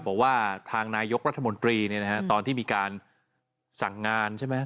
บอกว่าทางนายกรัฐมนตรีตอนที่มีการสั่งงานใช่ไหม